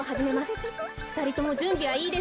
ふたりともじゅんびはいいですか？